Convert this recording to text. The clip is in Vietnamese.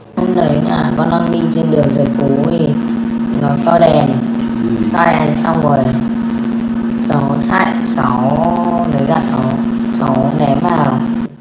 cho đèn cho đèn xong rồi cháu chạy cháu nếm vào